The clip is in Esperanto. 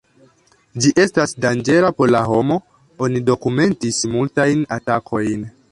Ĝi estas danĝera por la homo, oni dokumentis multajn atakojn.